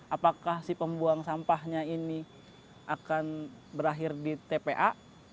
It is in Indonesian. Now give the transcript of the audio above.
apakah si pembuang sampahnya ini akan berakhir di tpa